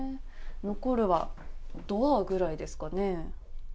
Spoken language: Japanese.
残るは、ドアくらいですかね。